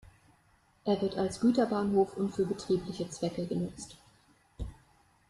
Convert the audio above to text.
Er wird als Güterbahnhof und für betriebliche Zwecke genutzt.